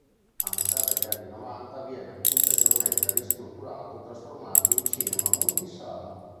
A metà degli anni novanta viene ulteriormente ristrutturato e trasformato in cinema multisala.